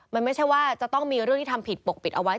มันไม่ใช่ว่าจะต้องมีเรื่องที่ทำผิดปกปิดเอาไว้